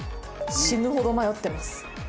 「死ぬほど迷ってます」。